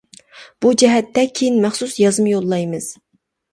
بۇ جەھەتتە كىيىن مەخسۇس يازما يوللايمىز.